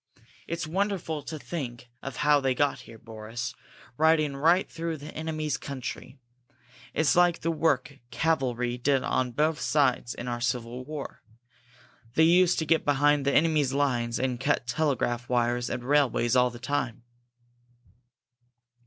It's wonderful to think of how they got here, Boris, riding right through the enemy's country! It's like the work cavalry did on both sides in our Civil War. They used to get behind the enemy's lines and cut telegraph wires and railways all the time."